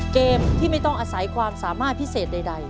เกมที่ไม่ต้องอาศัยความสามารถพิเศษใด